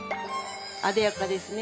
あでやかですね。